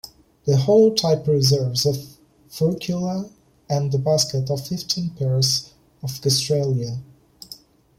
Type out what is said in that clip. The holotype preserves a furcula and a basket of fifteen pairs of gastralia.